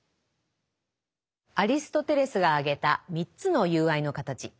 アリストテレスが挙げた３つの友愛の形。